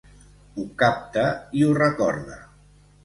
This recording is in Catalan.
Ho capta i ho recorda.